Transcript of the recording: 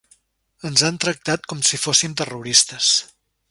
Ens han tractat com si fóssim terroristes.